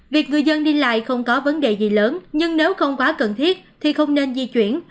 việc người dân đi lại không có vấn đề gì lớn nhưng nếu không quá cần thiết thì không nên di chuyển